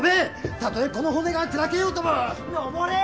たとえこの骨が砕けようとも！